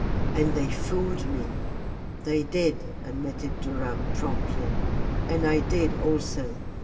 "And they fooled me." "They did," admitted Durham, promptly, "and I did also.